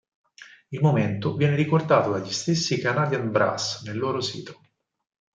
Il momento viene ricordato dagli stessi Canadian Brass nel loro sito.